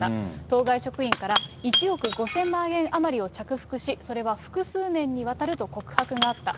当該職員から、１億５０００万円余りを着服し、それは複数年にわたると告白があった。